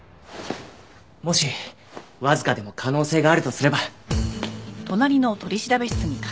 もしわずかでも可能性があるとすれば！